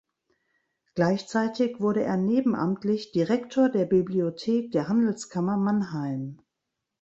Gleichzeitig wurde er nebenamtlich Direktor der Bibliothek der Handelskammer Mannheim.